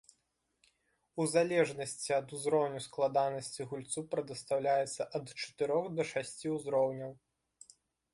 У залежнасці ад узроўню складанасці гульцу прадастаўляюцца ад чатырох да шасці узроўняў.